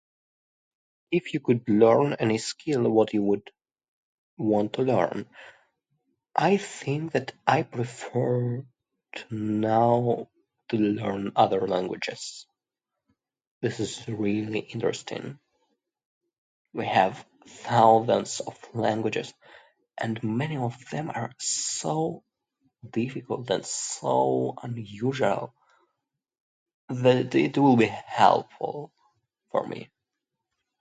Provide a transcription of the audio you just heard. If you could learn any skill, what you would want to learn? I think that I prefer to know to learn other languages. This is really interesting. We have thousands of languages. And many of them are so difficult and so unusual that it will be helpful for me.